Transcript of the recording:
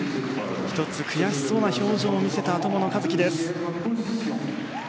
１つ、悔しそうな表情を見せた友野一希です。